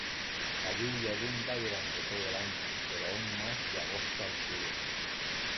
La lluvia abunda durante todo el año, pero un más de agosto a octubre.